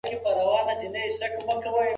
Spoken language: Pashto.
هغه وویل چې زه له خپلې کورنۍ سره مینه لرم.